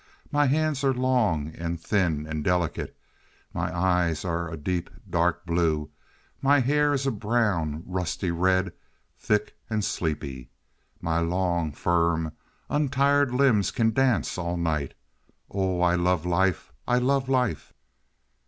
My hands are long and thin and delicate; my eyes are a dark, deep blue; my hair is a brown, rusty red, thick and sleepy. My long, firm, untired limbs can dance all night. Oh, I love life! I love life!"